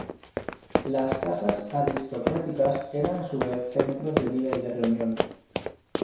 Las casas aristocráticas eran a su vez centros de vida y de reunión.